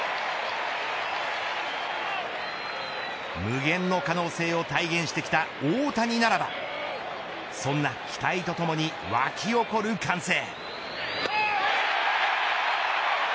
無限の可能性を体現してきた大谷ならばそんな期待とともに沸き起こる歓声。